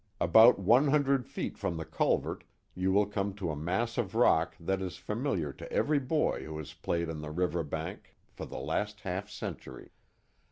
About one hundred feet from the culvert you will come to a mass of rock that is familiar to every boy who has played on the river bank for the last half century.